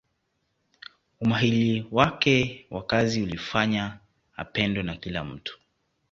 umahili wake wa kazi ulifanya apendwe na kila mtu